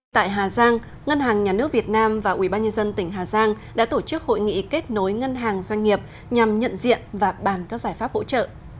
tại hà giang ngân hàng nhà nước việt nam và ubnd tỉnh hà giang đã tổ chức hội nghị kết nối ngân hàng doanh nghiệp nhằm nhận diện và bàn các giải pháp hỗ trợ